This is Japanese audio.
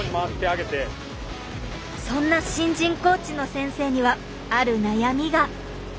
そんな新人コーチの先生にはある悩みが。